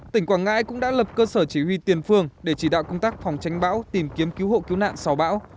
tỉnh quảng ngãi cũng đã lập cơ sở chỉ huy tiền phương để chỉ đạo công tác phòng tránh bão tìm kiếm cứu hộ cứu nạn sau bão